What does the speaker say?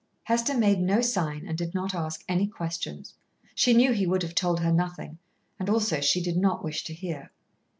Hester made no sign and did not ask any questions. She knew he would have told her nothing, and also she did not wish to hear.